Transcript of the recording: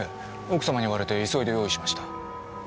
奥様に言われて急いで用意しました。